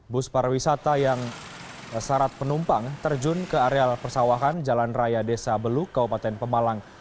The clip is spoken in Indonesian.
bus pariwisata yang syarat penumpang terjun ke areal persawahan jalan raya desa beluk kabupaten pemalang